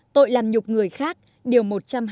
tội làm nhục người khác điều một trăm hai mươi